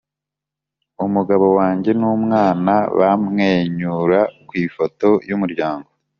umugabo wanjye n'umwana bamwenyura ku ifoto y'umuryango;